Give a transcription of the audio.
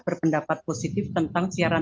berpendapat positif tentang siaran